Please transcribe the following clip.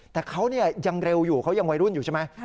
แต่เขายังเร็วอยู่เขายังวัยรุ่นอยู่ใช่ไหม